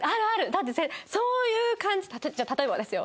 だってそういう感じじゃあ例えばですよ。